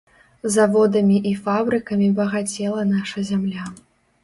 Заводамі і фабрыкамі багацела наша зямля.